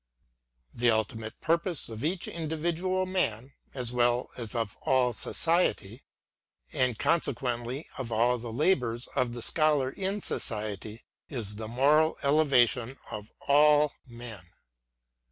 The ultimate purpose of each individual man, as well as of all society, and consequently of all the labours of the Scholar in society, is the moral elevation of all men.